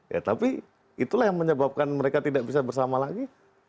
ya tapi itulah yang menyebabkan mereka tidak bisa bersama lagi